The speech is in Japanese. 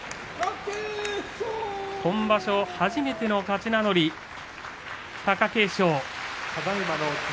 今場所初めての勝ち名乗り貴景勝。